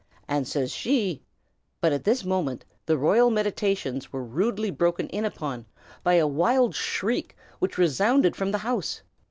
"An' says she " But at this moment the royal meditations were rudely broken in upon by a wild shriek which resounded from the house.